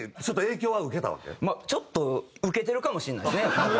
まあちょっと受けてるかもしれないですね。